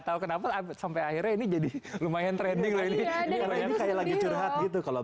tahu kenapa sampai akhirnya ini jadi lumayan trending lah ini karena yang kayak lagi curhat gitu kalau